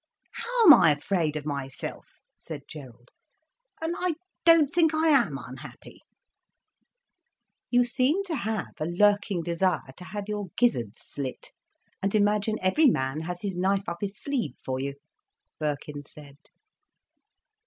"How am I afraid of myself?" said Gerald; "and I don't think I am unhappy." "You seem to have a lurking desire to have your gizzard slit, and imagine every man has his knife up his sleeve for you," Birkin said.